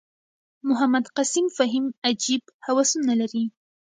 محمد قسیم فهیم عجیب هوسونه لري.